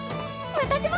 私も！